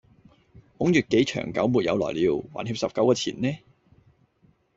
孔乙己長久沒有來了。還欠十九個錢呢